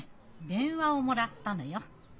電話をもらったのよ。